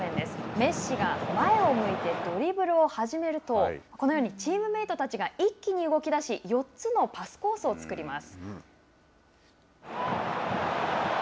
メッシが前を向いてドリブルを始めると、このようにチームメートたちが一気に動き出し４つのパスコースを作ります。